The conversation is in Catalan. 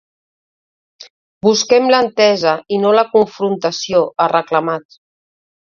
“Busquem l’entesa i no la confrontació”, ha reclamat.